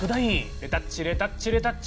レタッチレタッチレタッチ！